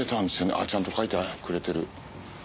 あっちゃんと書いてくれてる。